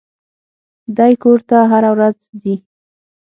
دى کور ته هره ورځ ځي.